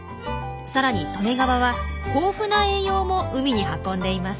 さらに利根川は豊富な栄養も海に運んでいます。